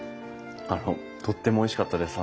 あのとってもおいしかったです。